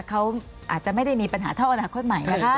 เขาอาจจะไม่ได้มีปัญหาเท่าอนาคตใหม่นะคะ